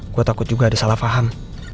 gue takut juga ada salah faham